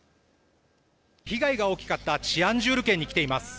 被害が大きかったチアンジュール県に来ています。